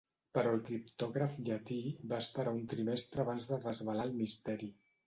Però el criptògraf llatí va esperar un trimestre abans de desvelar el misteri.